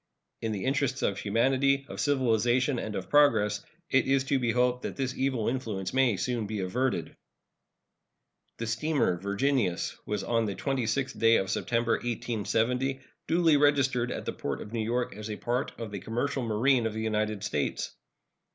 In the interests of humanity, of civilization, and of progress, it is to be hoped that this evil influence may be soon averted. The steamer Virginius was on the 26th day of September, 1870, duly registered at the port of New York as a part of the commercial marine of the United States.